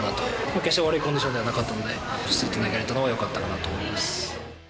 決して悪いコンディションではなかったので、落ち着いて投げられたのはよかっなと思います。